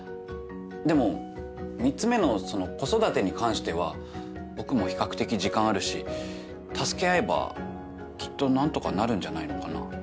でも３つ目のその子育てに関しては僕も比較的時間あるし助け合えばきっと何とかなるんじゃないのかな。